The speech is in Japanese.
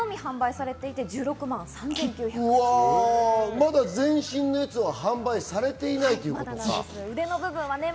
まだ全身のやつは販売されていないということか。